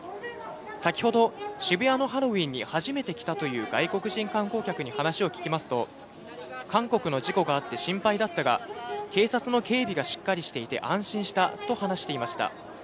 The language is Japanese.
先ほど、渋谷のハロウィーンに初めて来たという外国人観光客に話を聞きますと、韓国の事故があって心配だったが、警察の警備がしっかりしていて安心したと話していました。